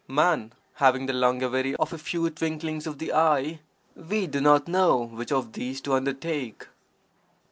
Man having the longevity of a few twinklings of the eye, we do not know which (of these) to undertake!